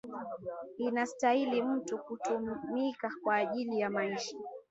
Inastahili mutu kutumika kwa ajili ya maisha